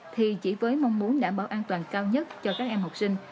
thì chỉ với mong muốn đảm bảo an toàn cao nhất cho các em học sinh